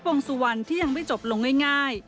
วงสุวรรณที่ยังไม่จบลงง่าย